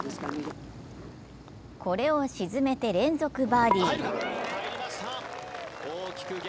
これを沈めて連続バーディー。